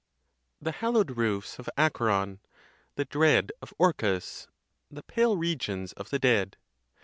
The hallow'd roofs of Acheron, the dread Of Orcus, the pale regions of the dead.